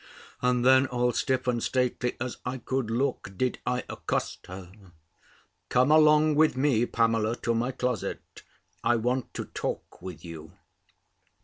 And then, all stiff and stately as I could look, did I accost her "Come along with me, Pamela, to my closet. I want to talk with you."